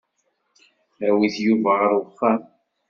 Awit Yuba ɣer uxxam.